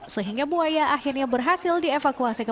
sehingga buaya akhirnya berhasil dievakuasi ke